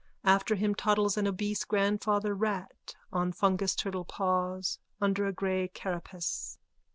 After him toddles an obese grandfather rat on fungus turtle paws under a grey carapace.